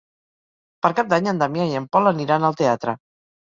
Per Cap d'Any en Damià i en Pol aniran al teatre.